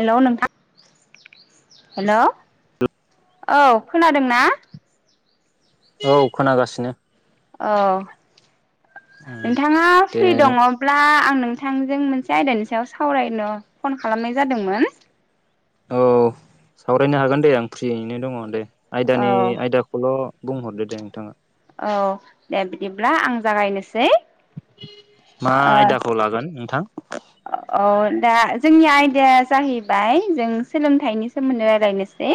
हेल' नोंथां हेल' औ खोनादों ना? औ खोनागासिनो अ उम नोंथाङा दे फ्रि नों दङब्ला आं नों- नोंथांजों मोनसे आयदानि सायाव सावरायनो फन खालामनाय जादोंमोन। औ सावरायनो हागोन दे आं फ्रियैनो दङ दे। औ आयदानि आयदाखौल'। बुंहरदो दे नोंथाङा। औ दे बिदिब्ला आं जागायनोसै। मा ओ आयदाखौ लागोन नोंथां? औ दा जोंनि आयदाया जाहैबाय जों सोलोंथाइनि सोमोन्दै रायज्लायनोसै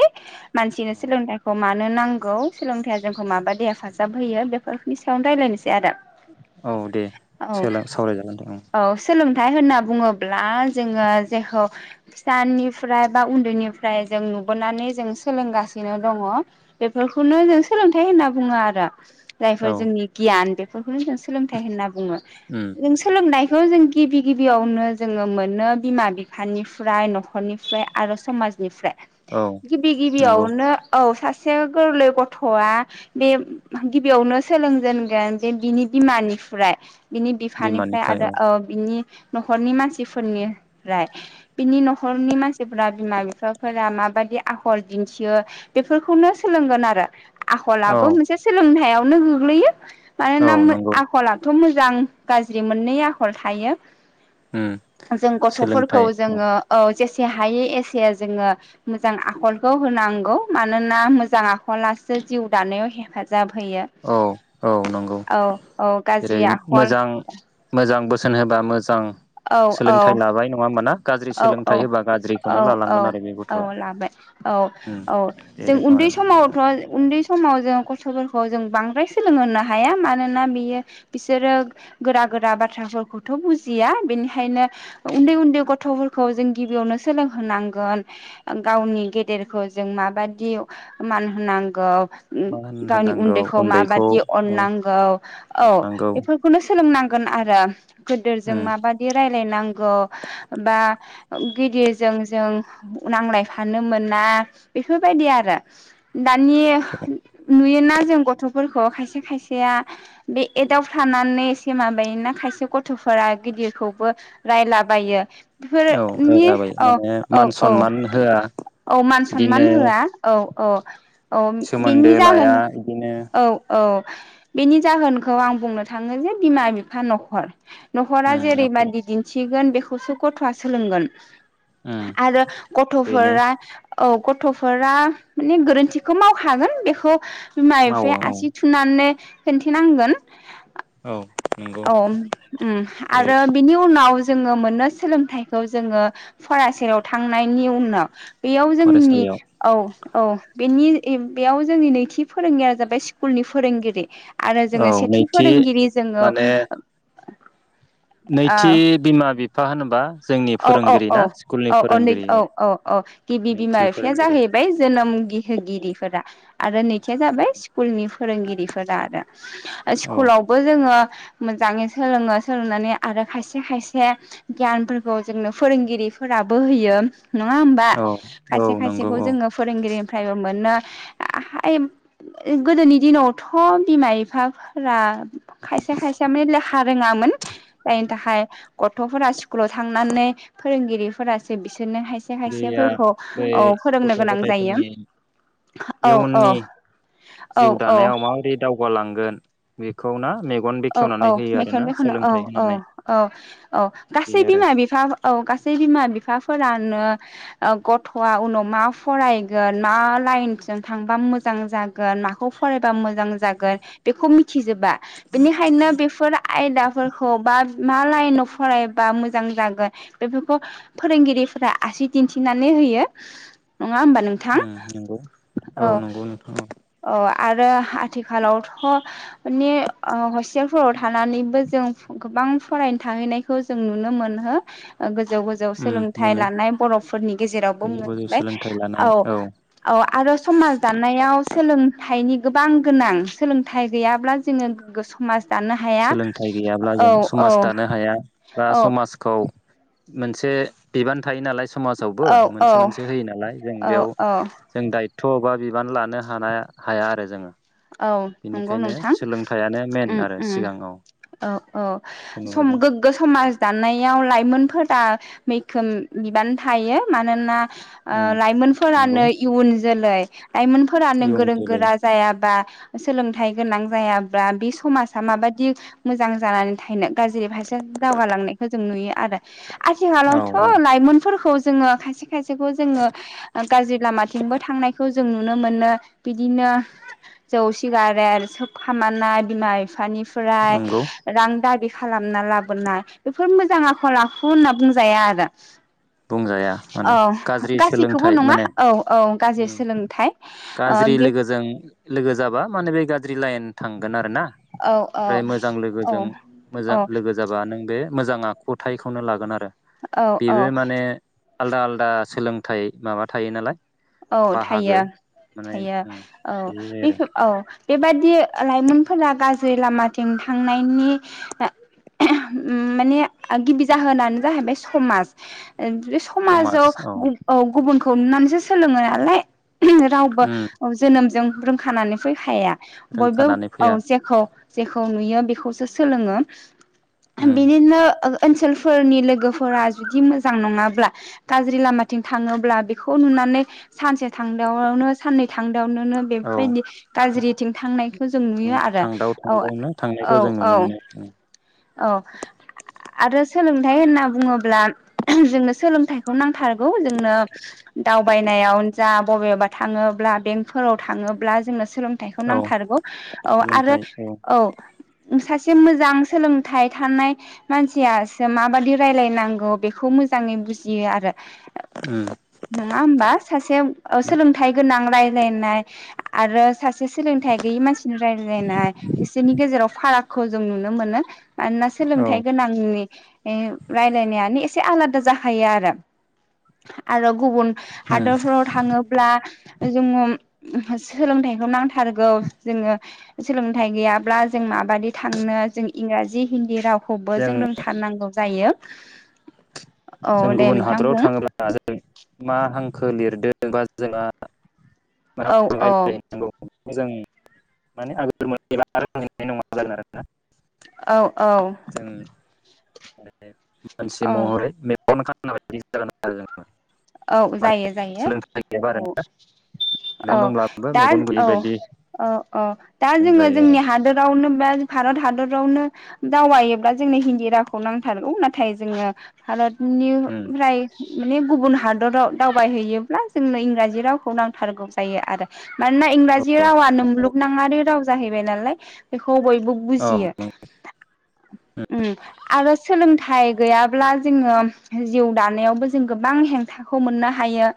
मानसिनो सोलोंथाइखौ मानो नांगौ सोलोंथाइया जोंखौ माबादि हेफाजाब होयो बेफोरनि सायाव रायज्लायनोसै। आरो औ दे औ सावरायजागोन दे औ। सोलोंथाइ होनना बुङोब्ला जोङो जेखौ फिसानिफ्राय बा उन्दैनिफ्राय जों नुबोनानै जों सोलोंगासिनो दङ बेफोरखौनो जों सोलोंथाइ होनना बुङो आरो। ब [inaudible] जायफोर औ जोंनि गियान। बेफोरखौ जों सोलोंथाइ होनना बुङो उम जों सोलोंनाय। खौ' जों गिबि गिबियावनो जोङो मोनो बिमा बिफानिफ्राय न'खरनिफ्राय आरो समाजनिफ्राय औ गिबि नंगौ गिबियावनो औ सासे एसे गोरलै गथ'आ बे गिबियावनो सोलोंजेनगोन जे बिनि बिमानिफ्राय बिनि बिफानिफ्राय बिमानिफ्राय औ आरो बिनि न'खरनि मानसिफोरनिफ्राय बिनि न'खरनि मानसिफोरा बिमा बिफाफोरा माबायदि आखल दिन्थियो बेफोरखौनो सोलोंगोन आरो। औ आखलबो मोनसे सोलोंथायावनो गोग्लैयो। औ मानोना नंगौ आखलाथ' मोजां मोजां गाज्रि मोननै आखल थायो। उम जों गथ'फोरखौ सोलोंथाइ औ जोङो। एसे हायै एसे जोङो मोजां आखलखौ होनांगौ मानोना मोजां आखलासो जिउ दानायाव हेफाजाब जाब होयो औ औ नंगौ औ औ जेरै गाज्रि आखल। मोजां मोजां बोसोन होबा मोजां। औ औ सोलोंथाइ लाबाय नङा होनबा ना? गाज्रि औ औ सोलोंथाइ होबा औ गाज्रिखौनो औ लालांगोन आरो बे औ गथ'आ लाबाय औ उम औ बे जों रोखोम उन्दै आरो समावथ' उन्दै समाव जों कस सलल जों बांद्राय सोलोंहोनो हाया मानोना बियो बिसोरो गोरा गोरा बाथ्राफोरखौथ' बुजिया बेनिखायनो। उम उन्दै उन्दै गथ थ'फोरखौ जों गिबियावनो सोलोंहोनांगोन गावनि गेदेरखौ जों माबादि मान होनांगौ उम मा होन गावनि होननांगौ उन्दैखौ माबादि ओ अननांगौ औ अननांगौ बेफोरखौनो सोलोंनांग गोन आरोम गोदोरजों उम माबायदि राय नायनांग बा ओ गिदिरजों जों नांलायफानो मोना बेफोरबायदि आरो दानि नुयोना बा जों गथ'फोरखौ खायसे खायसेया बे एदावफ्लानानै एसे माबायोना खायसे गथ'फोरा गिदिरखौबो रायलाबायो औ बेफोरनि रायजाबाय औ माने औ मान औ सनमान होआ औ मान सनमान बिदिनो होआ औ अ अ सोमोन्दो बेनि जाहोन लाया बिदिनो औ औ बेनि जाहोनखौ आं बुंनो थाङो जे बिमा बिफा न'खर न'खरा उम न'खर जेरैबादि दिन्थिगोन बे खौ सुख गथ'आ सोलोंगोन उम आरो बेनो गथ'फोरा औ गथ'फोरा माने गोरोन्थिखौ मावखागोन बेखौ बिमा मावो बिफाया औ आसि थुनानै खोन्थिनांगोन औ नंगौ औम उम जेरै आरो बिनि उनाव ज जोङो मोननो सोलोंथाइखौ जोङो फरासेयाव थांनायनि उनाव बेयाव जोंनि फरायसालियाव औ औ बेनि किम बेयाव जोंनि नैथि फोरोंगिरिया जाबाय स्कुलनि फोरोंगिरि। आरो औ जोङो सेथि नैथि फोरोंगिरि जोङो माने नैथि ओ बिमा बिफ फा होनोबा जोंनि औ औ औ फोरोंगिरि औ ना स्कुलनि फोरोंगिरि औ औ औ औ गिबि बिमा नैथि बिफाया फोरोंगिरि जाहैबाय जोनोम गेहे गेरिफोरा आरो नैथिया जाबाय स्कुलनि। फोरोंगिरिफोरा आरो औ स्कुलावबो जोङो मोजाङै सोलोङो सोलोंनानै आरो खायसे-खायसे गियानफोर खौ जोंनो फोरोंगिरिफोराबो होयो नङा होमबा औ औ खायसे नंगौ खायसेखौ औ जोङो फोरोंगिरिनिफ्रायबो मोनो [inaudible] गोदोनि दिनावथ बिमा बिफाफोरा खायसे-खायसे मेल्ला रोङामोन जायनि थाखाय गथफोरा स्कुलाव थांनानै फोरोंगिरिफोरासो बि बिदिनो खायसे दैया खायसेफोरखौ बै औ फोरोंनो गथ' गोनां जायो गथायफोरनि इयुननि जिउ औ-औ-औ-औ दानायाव माबोरै दावगालांगोन बेखौ ना [unintelligible] औ-औ होयो मेगन आरोना बेखेवनो सोलोंथाइ होनानै औ-औ-औ-औ बे गासै आरो बिमा बिफा औ गासै बिमा बिफा फोरानो गथआ उनाव मा फरायगोन मा लाइनजों थांबा मोजां जागोन माखौ फरायबा मोजां जागोन बेखौ मिथिजोबा बेनिखायनो बेफोर आयदाफोरखौ बा मा लाइनाव फरायबा मोजां जागोन बेफोरखौ फोरोंगिरिफोरा आसि दिन्थिनानै होयो नङा हबा नोंथां उम नंगौ औ नंगौ नोंथां औ - औ आरो आथिखालावथ माने ओ हस्टेलफोराव थानानैबो जों गोबां फरायनो थाहैनायखौ जों नुनो मोनहो गो गोजौ गोजौ उम सोलोंथाइ मोनो लानाय बरफोरनि गेजेरावबो गोजौ गोजौ मोनबाय सोलोंथाइ लानाय औ औ-औ आरो समाज दानायाव सोलोंथाइनि गोबां गोनां सोलोंथाइ गैयाब्ला जोङो। गोग्गो समाज दानो हाया सोलोंथाइ गैयाब्ला जों औ औ समाज दानो हाया बा औ समाजखौ मोनसे बिबान थायो नालाय स समाजावबो औ मोनसे मोनसे होयो। नालाय जों औ बेयाव औ जों दायथ बा बि बिबान लानो हानाय हाया आरो जोङो औ नंगौ बेनिखायनो नोंथां सोलोंथाइयानो मेन उम आरो उम सिगाङाव औ - औ सम जों गोग्गो समाज दाननायाव लाइमोन फोरा मैखोम बिबान थायो मानोना उम नंगौ लाइमोनफोरानो इयुन जोलै लाइमोनफोरा नों इयुन गोरों जोलै गोरा जाया बा सोलोंथाइ गोनां जायाब्ला बे समाजा माबादि मोजां जानानै थायनो गाज्रि भारसे दावगालांनायखौ जों नुयो आरो औ आथिखालावथ औ लाइमोनफोरखौ जोङो खायसे खाय जों गाज्रि लामाथिंबो थांनायखौ जों नुनो मोनो बिदिनो जौ सिगारेट सोबखामनाय बिमा बिफानि ओमफ्राय नंगौ रांदाबि खालामना लाबोनाय बेफोर मोजां आखल आखु होनना बुंजाया आरो। बुंजाया औ माने गाज्रि गासैखौबो सोलोंथाइ नङा माने औ औ गाज्रि उम सोलोंथाइ। गाज्रि लोगोजों लोगो जाबा माने बे गाज्रि लाइन थांगोन आरो ना । औ औ ओमफ्राय मोजां औ लोगोजों औ मोजां लोगो जाबा नों बे मोजां आखुथायाइखौनो लागोन आरो‌। औ-औ। माने आलादा-आलदा सोलोंथाइ माबा थायो नालाय। औ बाहागो थायो, माने थायो औ बे आरो बेफोर औ, बेबादि लाइमोनफोरा गाज्रि लामाथिं थांनायनि ओहोम माने गिबि जाहोनानो जाहैबाय समाज। बे समाजाव औ गुबुन [unintelligible] सोलोङो नालाय, ओहोम रावबो उम जोनोमजों रोंखानानै फैखाया बयबो रोंखानानै औ फैया जेखौ जेखौ नुयो बेखौसो सोलोङो। उम बिनिनो ओ ओनसोलफोरनि लोगोफोरा जुदि मोजां नङाब्ला गाज्रि लामाथिं थाङोब्ला बेखौ नुनानै सानसे। थांनायावनो साननै थां नो औ बेफोरबायदि गाज्रिथिं थांनायखौ जों नुयो आरो थांदाव थांदावनो थांनायखौ जों नुनो औ-औ-औ मोनो औ आरो सोलोंथाइ होनना बुङोब्ला जोंनो सोलोंथाइखौ नांथारगौ जोंनो दाव बायनायाव जा बबेबा थाङोब्ला बेंकफोराव थाङोब्ला जोंनो सोलोंथाइखौ औ नांथारगौ औ आरो औ, सासे मोजां सोलोंथाइ थानाय मानसियासो माबादि रायलायनांगौ बेखौ मोजाङै बुजियो आरो । उम। नङा हबा सासे ओ ना सोलोंथ गोनां ननाय आरो। सासे सोलोंथाइ गैयि मानसिनि रायज्लायनाय बिसोरनि गेजेराव फाराग खौ जों नुनो मोनो। आरानोना औ सोलोंथाइ गोनांनि ए माने रायलायनायानो एसे आलादा जाखायोआरो आरो गुबुन उम हादरफोराव थाङोब्ला जोङो सोलोंथाइखौ नांथारगौ जोङो सोलोंथाइ गैयाब्ला जों माबायदि थांनो जों इंराजि हिन्दी राव खौबो जों रोंथारनांगौ जायो। [inaudible] जों दे गुबुन नोंथां हादराव बुं थाङोब्ला जों मा हांखो लिरदों बा जोंहा औ औ मोजां माने आगोल मोननाय एबानाय नङा जागोन आरोना औ औ बे मानसि औ महरै मेगन खाना बायदि जागोन आरो जों औ माने जायो जायो सोलोंथाइ गैयाबा आरो औ औ मेगन दंब्लाबो दा मेगन गैयि औ बायदि औ औ दा जोङो बुंजायो आरो जोंनि हादोरावनो भारत हादरावनो दावायोब्ला जोंनो हिन्दी रावखौ नांथारगौ नाथाय जोङो भारत निफ्राय माने गुबुन हादराव दावबायहैयोब्ला जोंनो इंराजि रावखौ नांथारगौ जायो आरो मानोना इंराजि उम रावानो मुलुगनाङारि राव जाहैबाय नालाय खौ बयबो औ बुजियो ओम आरो सोलोंथाइ गैयाब्ला जोङो जिउ दानायावबो जों गोबां हें थाखौ मोननो हायो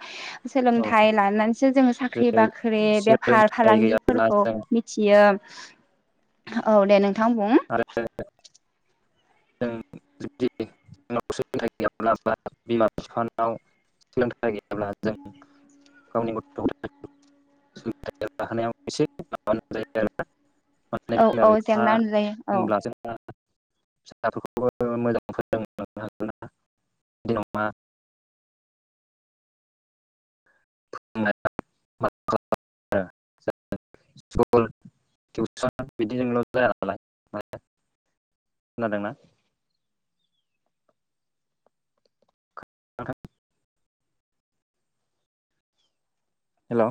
औ सोलोंथाइ लानानैसो जोङो साख्रि जेरै बाख्रि बेफार सोलोंथाइ गैयाब्ला फालांगिफोरखौ जों मिथियो औ दे नोंथां बुं आरो जों जुदि सोलोंथाइ गैयाब्ला बा बिमा बिफानाव सोलोंथाइ गैयाब्ला जों गावनि गथ' गथाय सोलोंथाय लानायाव एसे माब जायो आरोना औ औ जेंना नुजायो औ जोंना फिसाफोरखौबो मोजां फोरोंलांनो हागोन [inaudible] [inaudible] नोंथां हेलौ